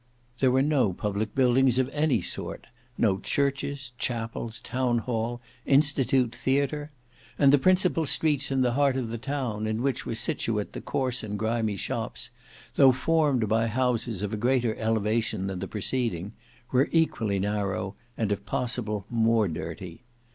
There were no public buildings of any sort; no churches, chapels, town hall, institute, theatre; and the principal streets in the heart of the town in which were situate the coarse and grimy shops, though formed by houses of a greater elevation than the preceding, were equally narrow and if possible more dirty.